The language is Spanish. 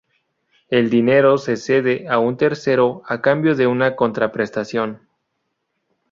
El dinero se cede a un tercero a cambio de una contraprestación.